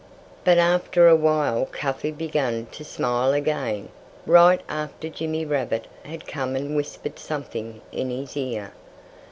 But after a while Cuffy began to smile again right after Jimmy Rabbit had come and whispered something in his ear.